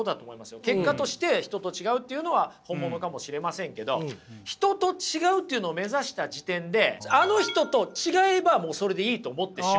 結果として人と違うっていうのは本物かもしれませんけど人と違うっていうのを目指した時点であの人と違えばもうそれでいいと思ってしまうというね。